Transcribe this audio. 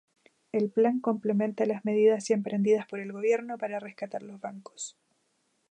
El plan complementa las medidas ya emprendidas por el Gobierno para rescatar los bancos.